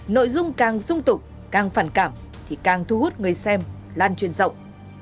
nội dung càng sung tục càng phản cảm thì càng thu hút người xem lan truyền rộng